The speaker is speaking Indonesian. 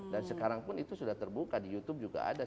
dan sekarang pun itu sudah terbuka di youtube juga ada